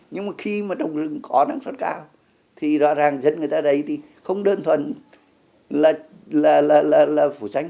nhưng mà khi mà trồng rừng có năng suất cao thì rõ ràng dân người ta đấy thì không đơn thuần là phủ tránh